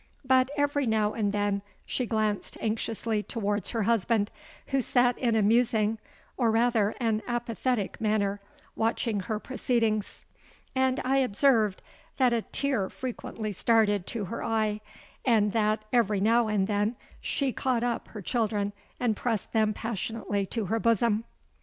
But every now and then she glanced anxiously towards her husband, who sat in a musing—or rather an apathetic manner—watching her proceedings; and I observed that a tear frequently started to her eye, and that every now and then she caught up her children and pressed them passionately to her bosom.